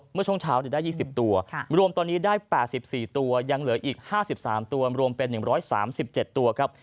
เมื่อช่วงเช้าได้๒๐ตัวรวมตอนนี้ได้๘๔ตัวยังเหลืออีก๕๓ตัวรวมเป็น๑๓๗ตัวครับ